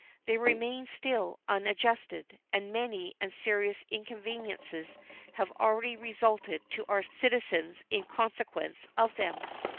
They remain still unadjusted, and many and serious inconveniences have already resulted to our citizens in consequence of them.